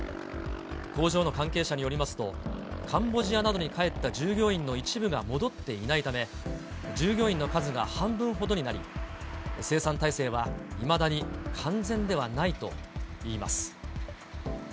工場の関係者によりますと、カンボジアなどに帰った従業員の一部が戻っていないため、従業員の数が半分ほどになり、生産体制はいまだに完全ではないといいます。